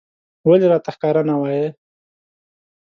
ولې راته ښکاره نه وايې